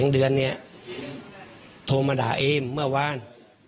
ก็เลยขับรถไปมอบตัว